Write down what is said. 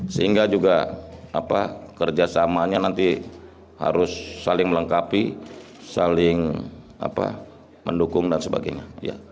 sehingga juga kerjasamanya nanti harus saling melengkapi saling mendukung dan sebagainya